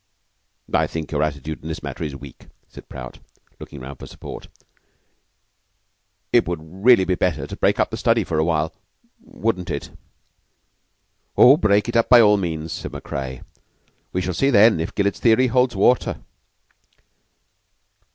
"I think your attitude in this matter is weak," said Prout, looking round for support. "It would be really better to break up the study for a while wouldn't it?" "Oh, break it up by all means," said Macrea. "We shall see then if Gillett's theory holds water."